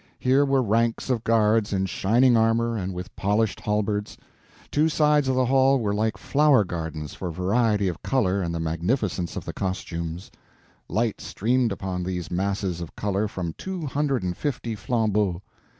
Here were ranks of guards in shining armor and with polished halberds; two sides of the hall were like flower gardens for variety of color and the magnificence of the costumes; light streamed upon these masses of color from two hundred and fifty flambeaux.